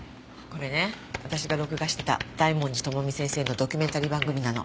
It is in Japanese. これね私が録画してた大文字智美先生のドキュメンタリー番組なの。